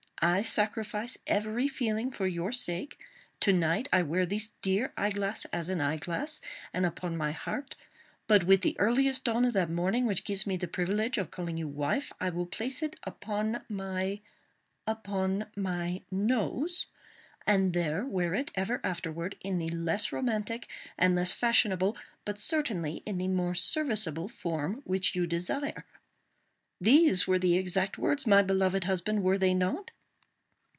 I sacrifice every feeling for your sake. To night I wear this dear eye glass as an eye glass, and upon my heart; but with the earliest dawn of that morning which gives me the privilege of calling you wife, I will place it upon my—upon my nose,—and there wear it ever afterward, in the less romantic, and less fashionable, but certainly in the more serviceable, form which you desire.' These were the exact words, my beloved husband, were they not?"